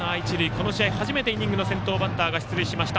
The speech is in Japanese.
この試合、初めてイニングの先頭バッターが出塁しました。